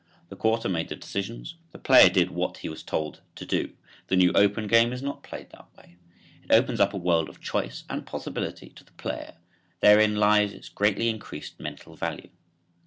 The quarter made the decisions; the player did what he was told to do. The new open game is not played that way; it opens up a world of choice and possibility to the player. Therein lies its greatly increased mental value.